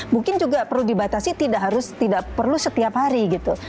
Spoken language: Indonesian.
mungkin juga perlu dibatasi tidak perlu setiap hari gitu